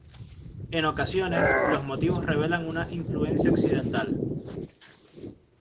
En ocasiones, los motivos revelan una influencia occidental.